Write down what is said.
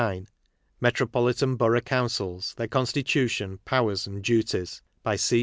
— 189. Metropolitan Borough Councils: Their Constitution, Powers and Duties. By C.